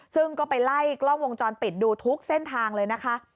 ซึ่งก็ไปไล่กล้องวงจรปิดดูทุกเส้นทางเลยนะคะ